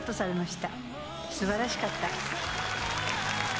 素晴らしかった。